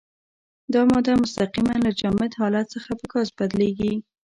دا ماده مستقیماً له جامد حالت څخه په ګاز بدلیږي.